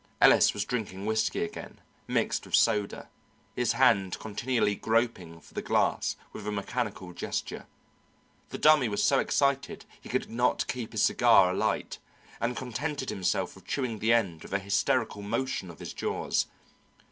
Ellis was drinking whisky again, mixed with soda, his hand continually groping for the glass with a mechanical gesture; the Dummy was so excited he could not keep his cigar alight, and contented himself with chewing the end with an hysterical motion of his jaws.